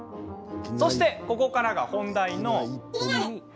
そして、ここからが本題の。